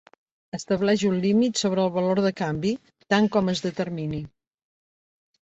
Estableix un límit sobre el valor de canvi, tant com es determini.